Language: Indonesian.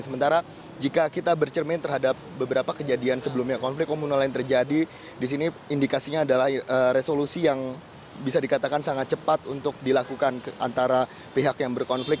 sementara jika kita bercermin terhadap beberapa kejadian sebelumnya konflik komunal yang terjadi di sini indikasinya adalah resolusi yang bisa dikatakan sangat cepat untuk dilakukan antara pihak yang berkonflik